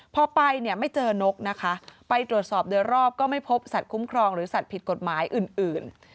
พอไปเนี่ยไม่เจอนกนะคะไปตรวจสอบโดยรอบก็ไม่พบสัตว์คุ้มครองหรือสัตว์ผิดกฎหมายอื่น